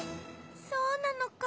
そうなのか。